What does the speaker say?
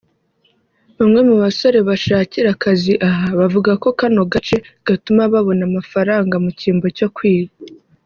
bamwe mu basore bashakira akazi aha bavuga ko kano gace gatuma babona amafaranga mu kimbo cyo kwiba